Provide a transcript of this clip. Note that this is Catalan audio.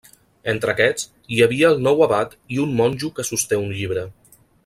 Entre aquests, hi havia el nou abat i un monjo que sosté un llibre.